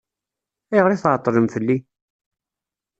Ayɣer i tɛeṭṭlem fell-i?